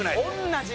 同じ。